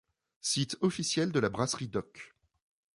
Site officiel de la Brasserie d’Oc.